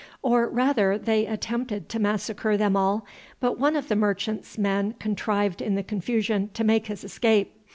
Or, rather, they attempted to massacre them all, but one of the merchants' men contrived in the confusion to make his escape.